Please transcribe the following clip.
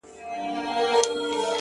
گلابي شونډي يې د بې په نوم رپيږي”